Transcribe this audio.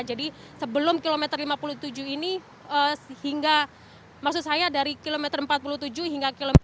jadi sebelum kilometer lima puluh tujuh ini hingga maksud saya dari kilometer empat puluh tujuh hingga kilometer